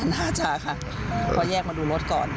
น่าจะค่ะพอแยกมาดูรถก่อน